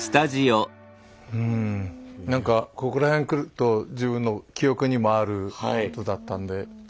うんなんかここら辺くると自分の記憶にもあることだったんで。